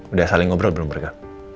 udah saling ngobrol belum bergerak